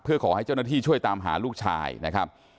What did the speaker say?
เพื่อขอให้เจ้าหน้าที่ช่วยตามหาลูกชายนะครับ